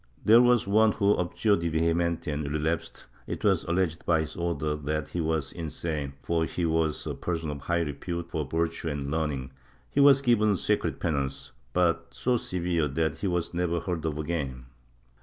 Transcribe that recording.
There was one who abjured de vehementi and relapsed. It was alleged by his Order that he was insane, for he was a person of high repute for virtue and learning ; he was given secret penance, but so severe that he was never heard of again.